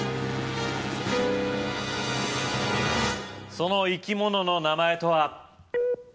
その生き物の名前とは？